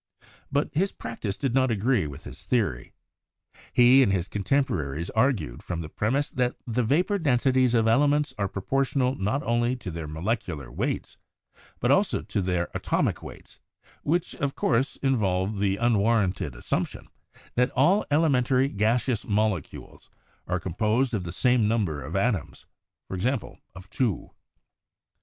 But his practice did not agree with his theory; he and his contemporaries argued from the premise that the vapor densities of elements are pro portional not only to their molecular weights, but also to their atomic weights, which of course involved the un warranted assumption that all* elementary gaseous mole cules are composed of the same number of atoms — i.e., of two.